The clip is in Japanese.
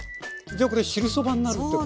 じゃあこれ汁そばになるってこと？